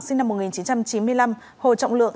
sinh năm một nghìn chín trăm chín mươi năm hồ trọng lượng